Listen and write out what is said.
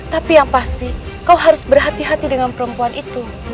tapi yang pasti kau harus berhati hati dengan perempuan itu